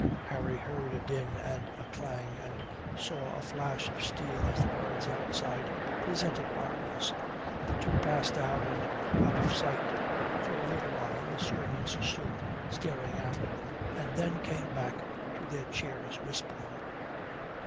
Harry heard a din and a clang and saw a flash of steel as the guard outside presented arms. The two passed out and out of sight. For a little while the servants stood staring after them, and then came back to their chairs whispering.